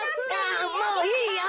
あもういいよ！